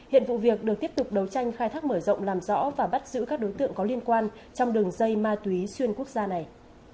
hiện vụ việc được tiếp tục đấu tranh khai thác mở rộng làm rõ và bắt giữ các đối tượng có liên quan trong đường dây ma túy xuyên quốc gia này